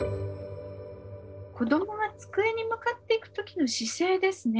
子どもが机に向かっていく時の姿勢ですね。